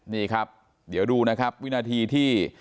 นี่ครับเดี๋ยวดูวินาทีที่